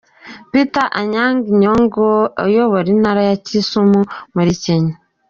Peter Anyang’ Nyong’o uyobora intara ya Kisumu muri Kenya.